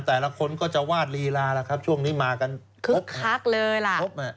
แต่ละคนก็จะวาดลีลาแล้วครับช่วงนี้มากันคึกคักเลยล่ะ